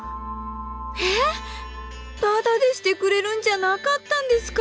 ええタダでしてくれるんじゃなかったんですか。